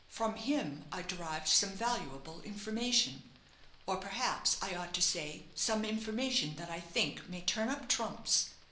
From him I derived some valuable information; or perhaps, I ought to say some information that I think may turn up trumps.